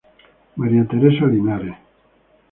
María Teresa Linares.